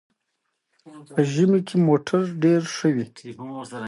موټر د ماموریت لپاره دی